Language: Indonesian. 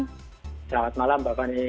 selamat malam pak fani